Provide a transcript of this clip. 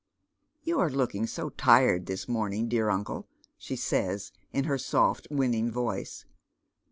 " You are looking so tired this morning, dear uncle !" she says, in her soft winning voice.